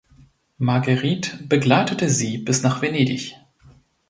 Marguerite begleitete sie bis nach Venedig.